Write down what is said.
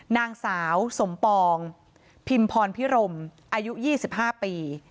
นางสาวสมปองพิมพรพิรมอายุ๒๕ปี